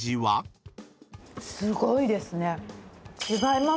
すごいですね。